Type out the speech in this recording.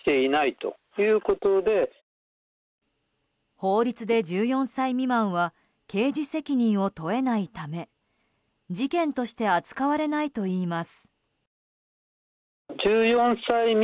法律で１４歳未満は刑事責任を問えないため事件として扱われないといいます。